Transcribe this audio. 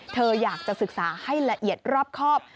เธออยากจะศึกษาให้ละเอียดรอบครอบ